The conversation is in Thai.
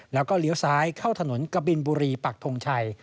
แล้วก็เลี้ยวซ้ายเข้าถนนกบินบุรีปักทงชัย